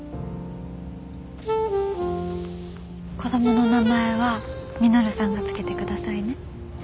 子供の名前は稔さんが付けてくださいね。